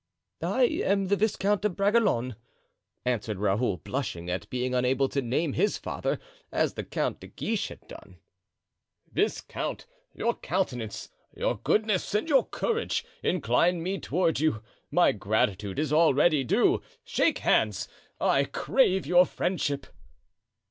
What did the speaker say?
"I am the Viscount de Bragelonne," answered Raoul, blushing at being unable to name his father, as the Count de Guiche had done. "Viscount, your countenance, your goodness and your courage incline me toward you; my gratitude is already due. Shake hands—I crave your friendship."